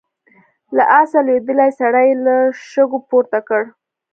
له آسه لوېدلی سړی يې له شګو پورته کړ.